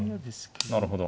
なるほど。